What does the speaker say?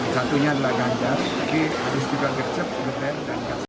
satunya adalah ganjar tapi harus juga gecep geben dan kaset